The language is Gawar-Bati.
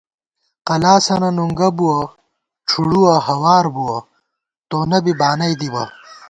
قلاسَنہ نُنگہ بُوَہ، ڄھُڑُوَہ ہوار بُوَہ تونہ بی بانَئ دِبہ